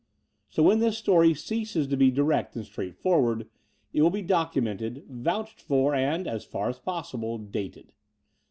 So, when this story ceases to be direct and straightforward, it will be documented, vouched for and, as far as possible, dated.